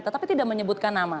tetapi tidak menyebutkan nama